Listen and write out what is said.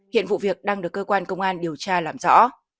hiện vụ việc đang được cơ quan công an điều tra làm rõ